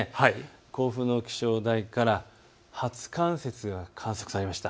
甲府の気象台から初冠雪が観測されました。